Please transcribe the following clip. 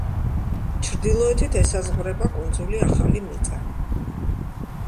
ჩრდილოეთით ესაზღვრება კუნძული ახალი მიწა.